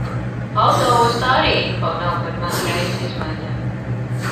Autoostā arī info nav par mana reisa izmaiņām.